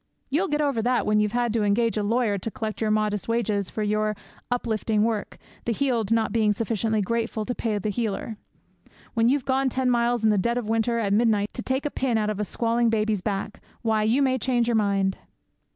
"You'll get over that when you've had to engage a lawyer to collect your modest wages for your uplifting work, the healed not being sufficiently grateful to pay the healer. When you've gone ten miles in the dead of winter, at midnight, to take a pin out of a squalling baby's back, why, you may change your mind!"'